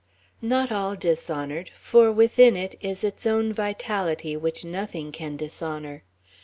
Not all dishonoured, for within it is its own vitality which nothing can dishonour.